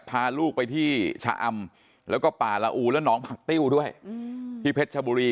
พาลูกไปที่ชะอำแล้วก็ป่าละอูและน้องผักติ้วด้วยที่เพชรชบุรี